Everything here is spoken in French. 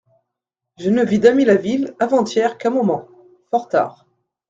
Je ne vis Damilaville avant-hier qu'un moment, fort tard.